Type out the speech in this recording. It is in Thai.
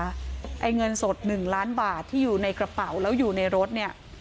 ไอ้เงินสด๑ล้านบาทที่อยู่ในกระเป๋าแล้วอยู่ในรถเนี่ย